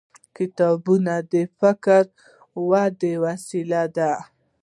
کتابچه د فکري ودې وسیله ده